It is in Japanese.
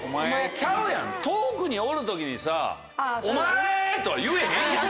ちゃうやん遠くにおる時にさお前！とは言えへんやん。